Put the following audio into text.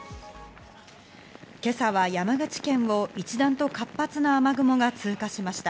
今朝は山口県を一段と活発な雨雲が通過しました。